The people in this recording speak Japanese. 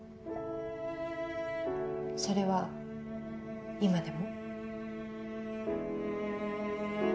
それは今でも？